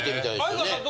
相川さん